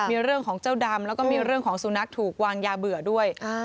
มีเรื่องของเจ้าดำแล้วก็มีเรื่องของสุนัขถูกวางยาเบื่อด้วย